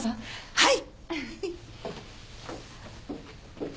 はい。